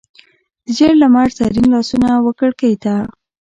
د ژړ لمر زرین لاسونه وکړکۍ ته،